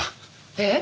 えっ？